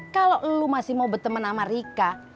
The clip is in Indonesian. kalau lo masih mau berteman sama rika